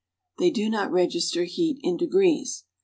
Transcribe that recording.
They do not register heat in degrees.